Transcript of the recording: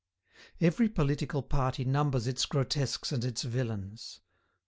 Every political party numbers its grotesques and its villains.